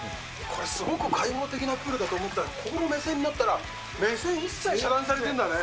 これ、すごく開放的なプールだと思ったら、ここの目線になったら、目線一切遮断されてるんだね。